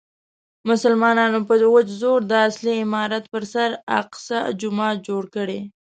مسلمانانو په وچ زور د اصلي عمارت پر سر اقصی جومات جوړ کړی.